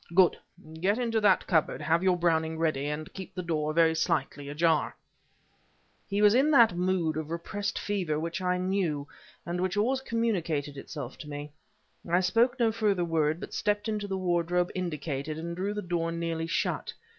"Good. Get into that cupboard, have your Browning ready, and keep the door very slightly ajar." He was in that mood of repressed fever which I knew and which always communicated itself to me. I spoke no further word, but stepped into the wardrobe indicated and drew the door nearly shut.